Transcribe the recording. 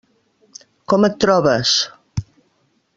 Com et trobes?